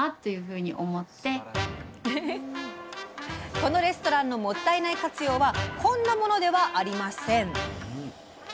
このレストランのもったいない活用はこんなものではありません。